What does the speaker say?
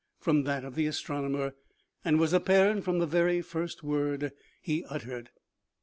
50 OMEGA. that of the astronomer, as was apparent from the very first word he uttered.